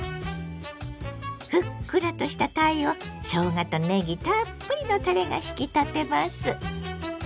ふっくらとしたたいをしょうがとねぎたっぷりのたれが引き立てます。